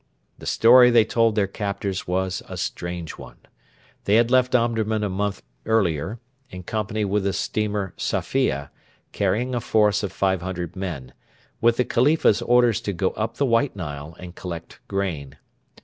The story they told their captors was a strange one. They had left Omdurman a month earlier, in company with the steamer Safia, carrying a force of 500 men, with the Khalifa's orders to go up the White Nile and collect grain.